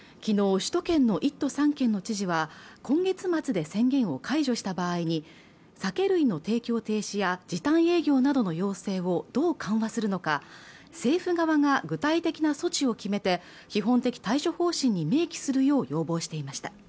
首都圏の１都３県の知事は今月末で宣言を解除した場合に酒類の提供停止や時短営業などの要請をどう緩和するのか政府側が具体的な措置を決めて基本的対処方針に明記するよう要望しています